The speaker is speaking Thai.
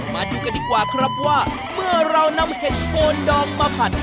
มาดูกันดีกว่าครับว่าเมื่อเรานำเห็ดโคนดองมาผัด